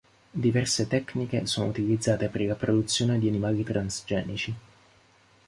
Diverse tecniche sono utilizzate per la produzione di animali transgenici.